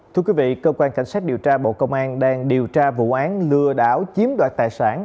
thưa quý vị cơ quan cảnh sát điều tra bộ công an đang điều tra vụ án lừa đảo chiếm đoạt tài sản